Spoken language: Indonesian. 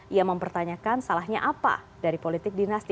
ia mempertanyakan salahnya apa dari politik dinasti